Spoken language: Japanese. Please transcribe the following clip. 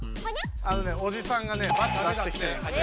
あのねおじさんがねバツ出してきてるんですよ。